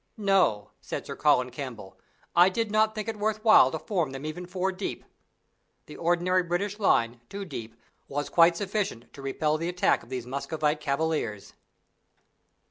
"No," said Sir Colin Campbell, "I did not think it worth while to form them even four deep!" The ordinary British line, two deep, was quite sufficient to repel the attack of these Muscovite cavaliers.